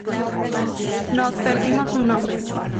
Nos perdimos un hombre.